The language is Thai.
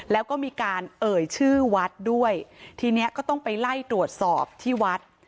แล้วก็มีการเอ่ยชื่อวัดด้วยทีนี้ก็ต้องไปไล่ตรวจสอบที่วัด